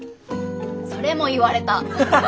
それも言われた！